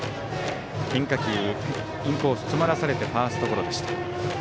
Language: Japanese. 変化球、インコース詰まらされてファーストゴロでした。